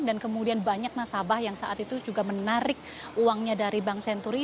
dan kemudian banyak nasabah yang saat itu juga menarik uangnya dari bank senturi